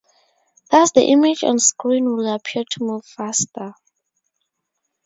Thus the image on screen will appear to move faster.